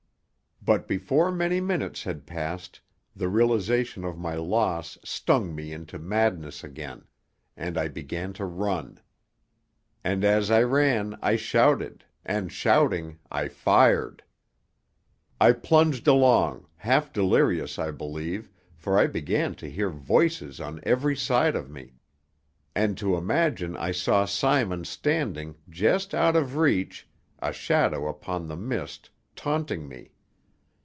But before many minutes had passed the realization of my loss stung me into madness again, and I began to run. And, as I ran, I shouted, and, shouting, I fired. I plunged along half delirious, I believe, for I began to hear voices on every side of me and to imagine I saw Simon standing, just out of reach, a shadow upon the mist, taunting me.